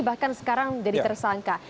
bahkan sekarang jadi tersangka